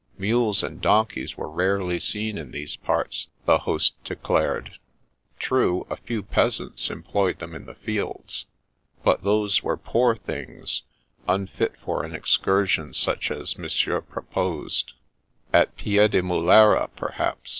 Mules and donkeys were rarely seen in these parts, the host declared. True, a few peasants em ployed them in the fields ; but those were poor things, unfit for an excursion such as Monsieur purposed. At Piedimulera, perhaps.